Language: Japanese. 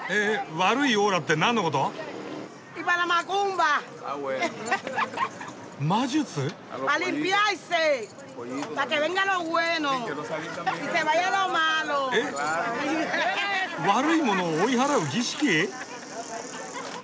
悪いものを追い払う儀式！？